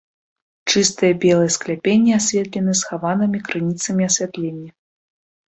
Чыстыя белыя скляпенні асветлены схаванымі крыніцамі асвятлення.